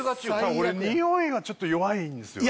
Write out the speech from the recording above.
俺ニオイがちょっと弱いんですよね